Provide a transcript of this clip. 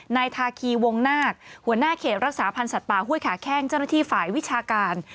นายทาคีวงนาคหัวหน้าเขตรักษาพันธ์สัตว์ป่าห้วยขาแข้งเจ้าหน้าที่ฝ่ายวิชาการ